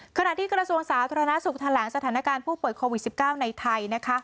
กระทรวงสาธารณสุขแถลงสถานการณ์ผู้ป่วยโควิด๑๙ในไทยนะคะ